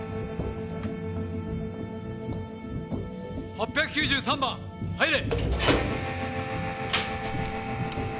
８９３番入れ！